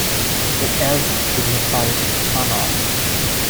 The "ez" signifies "son of".